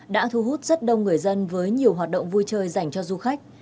đã thu hút rất đông người dân với nhiều hoạt động vui chơi dành cho du khách